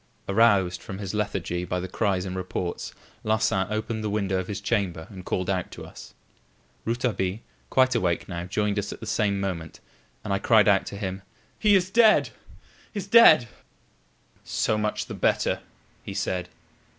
Aroused from his lethargy by the cries and reports, Larsan opened the window of his chamber and called out to us. Rouletabille, quite awake now, joined us at the same moment, and I cried out to him: "He is dead! is dead!" "So much the better," he said.